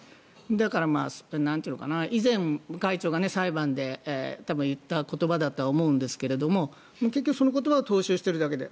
だから、以前、裁判で多分言った言葉だと思うんですが結局その言葉を踏襲しているだけで。